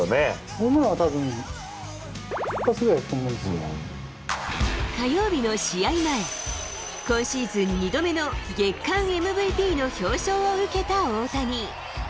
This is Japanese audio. ホームランは、×××くらい火曜日の試合前、今シーズン２度目の月間ＭＶＰの表彰を受けた大谷。